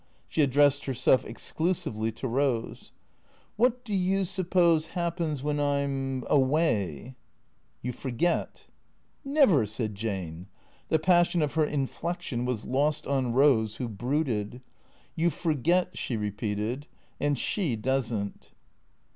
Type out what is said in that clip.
She addressed herself exclusively to Eose. " What do you suppose happens when I 'm — awav ?" "You forget." " Never !" said Jane. Tlie passion of her inflection was lost on Eose who brooded. " You forget," she repeated. " And she does n*t."